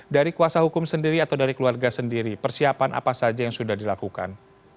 dari kuasa hukum sendiri atau dari keluarga sendiri persiapan apa saja yang sudah dilakukan